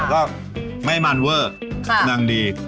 แล้วก็ไม่มันเวอร์นั่งดี